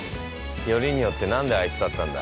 よりによって何であいつだったんだ。